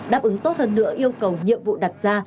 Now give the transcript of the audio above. đáp ứng tốt hơn nữa yêu cầu nhiệm vụ đặt ra